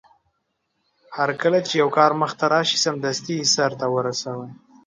هرکله چې يو کار مخې ته راشي سمدستي يې سرته ورسوي.